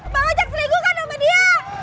bang ojek selingkuh kan sama dia